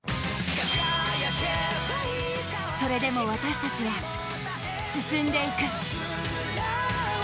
それでも私たちは進んでいく。